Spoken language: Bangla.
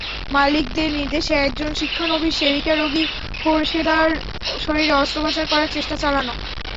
মালিকদের নির্দেশে একজন শিক্ষানবিস সেবিকা রোগী খোরশেদার শরীরে অস্ত্রোপচার করার চেষ্টা চালান।